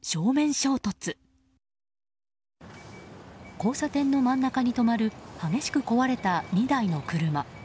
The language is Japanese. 交差点の真ん中に止まる激しく壊れた２台の車。